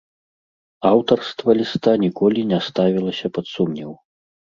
Аўтарства ліста ніколі не ставілася пад сумнеў.